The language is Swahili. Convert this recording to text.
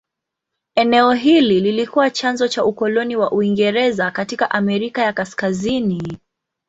Eneo hili lilikuwa chanzo cha ukoloni wa Uingereza katika Amerika ya Kaskazini.